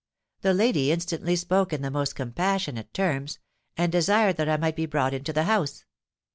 '—The lady instantly spoke in the most compassionate terms, and desired that I might be brought into the house.